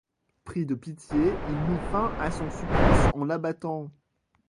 Pris de pitié, il mit fin à son supplice en l'abattant.